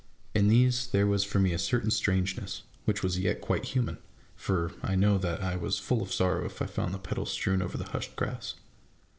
In these there was for me a certain strangeness, which was yet quite human ; for I know that I was full of sorrow if I found the petals strewn over the hushed grass.